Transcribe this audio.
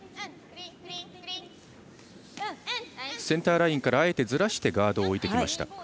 センターラインからあえてずらしてガードを置いてきました。